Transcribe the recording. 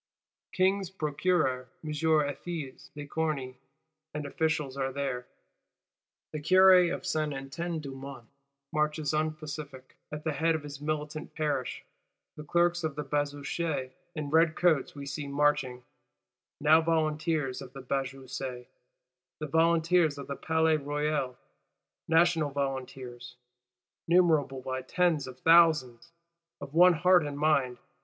King's procureur M. Ethys de Corny and officials are there; the Curé of Saint Etienne du Mont marches unpacific, at the head of his militant Parish; the Clerks of the Bazoche in red coats we see marching, now Volunteers of the Bazoche; the Volunteers of the Palais Royal:—National Volunteers, numerable by tens of thousands; of one heart and mind.